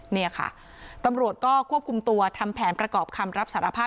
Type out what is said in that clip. เนี่ยค่ะตำรวจก็ควบคุมตัวทำแผนประกอบคำรับสารภาพ